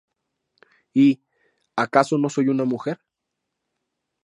Y ¿acaso no soy una mujer?